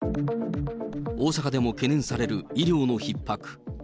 大阪でも懸念される医療のひっ迫。